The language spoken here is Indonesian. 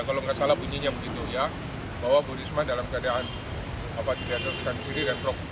kalau tidak salah bunyinya begitu ya bahwa bodi risma dalam keadaan apa tidak teruskan diri dan prok